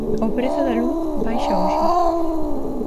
O prezo da luz baixa hoxe.